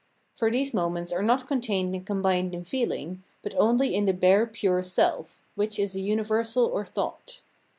For these moments are not contained and combined in feehng, but only in the bare pure self, which is a universal or thought.